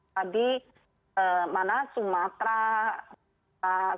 tadi mana sumatera selatan